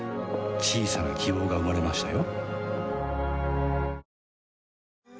小さな希望が生まれましたよ